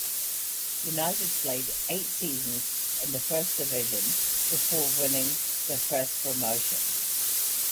United played eight seasons in the First Division before winning their first promotion.